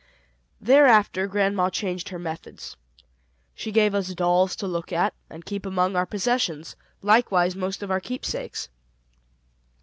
Thereafter grandma changed her methods. She gave us our dolls to look at, and keep among our possessions, likewise most of our keepsakes.